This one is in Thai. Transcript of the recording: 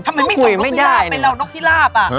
ถ้ามันมีสองนกฤลาบไปแล้วนกฤลาบอะ